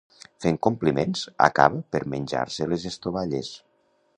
Fent compliments, acaba per menjar-se les estovalles.